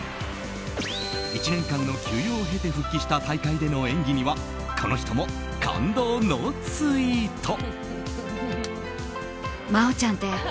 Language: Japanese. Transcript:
１年間の休養を経て復帰した大会での演技にはこの人も感動のツイート。